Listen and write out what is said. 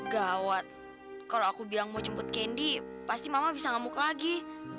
gawat kalau aku bilang mau jemput kendi pasti mama bisa ngamuk lagi